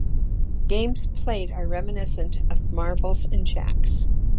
Games played are reminiscent of marbles and jacks.